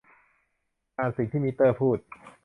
อ่านสิ่งที่มิเตอร์พูด